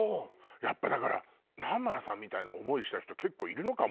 やっぱだから南原さんみたいな思いした人結構いるのかもね。